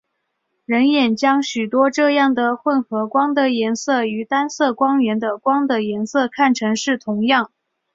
人眼将许多这样的混合光的颜色与单色光源的光的颜色看成是同样。